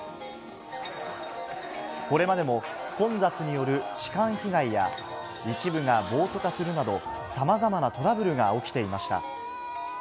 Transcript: これまでも、混雑による痴漢被害や、一部が暴徒化するなど、さまざまなトラブルが起きていました。